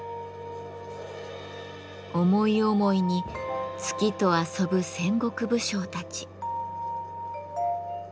思い思いに月と遊ぶ戦国武将たち。